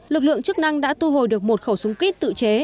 lực lượng chức năng đã thu hồi được một khẩu súng kíp tự chế